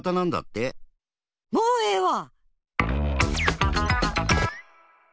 もうええわ！